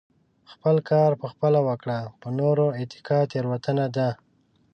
خپل کار په خپله وکړئ پر نورو اتکا تيروتنه ده .